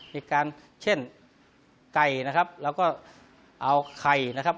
มีการเช่นไก่นะครับแล้วก็เอาไข่นะครับ